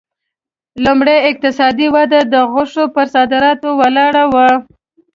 لومړنۍ اقتصادي وده د غوښې پر صادراتو ولاړه وه.